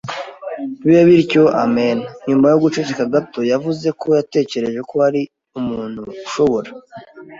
bibe bityo, amen! ” Nyuma yo guceceka gato, yavuze ko yatekereje ko hari umuntu ushobora